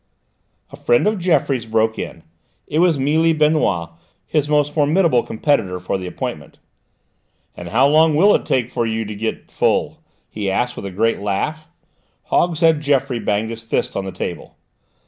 A friend of Geoffroy's broke in: it was Mealy Benoît, his most formidable competitor for the appointment. "And how long will it take for you to get full?" he asked with a great laugh. Hogshead Geoffroy banged his fist on the table.